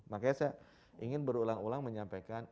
makanya saya ingin berulang ulang menyampaikan